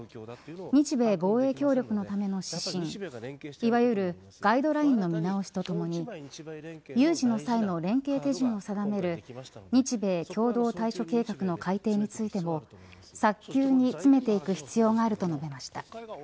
日米防衛協力のための指針いわゆるガイドラインの見直しとともに、有事の際の連携手順を定める日米共同対処計画の改定についても早急に詰めていく必要があると述べました。